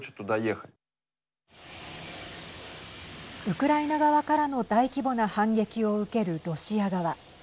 ウクライナ側からの大規模な反撃を受けるロシア側。